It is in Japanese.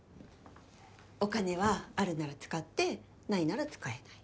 お金はあるなら使ってないなら使えない。